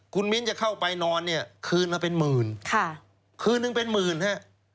คุณมิ้นจะเข้าไปนอนเนี่ยคืนละเป็นหมื่นค่ะคืนนึงเป็นหมื่นฮะ